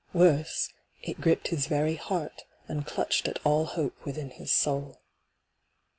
Worse, it gripped his very heart and clutched at all hope within his soul.